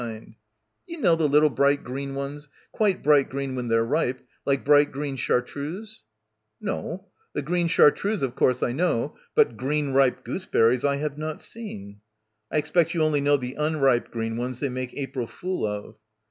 Do you know the little bright green ones, quite bright green when they're ripe, like bright green chartreuse?" "No. The green chartreuse of course I know. But green ripe gooseberries I have not seen." "I expect you only know the unripe green ones they make April fool of."